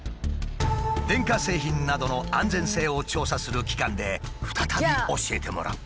電化製品などの安全性を調査する機関で再び教えてもらう。